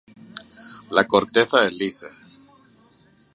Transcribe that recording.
La corteza es lisa.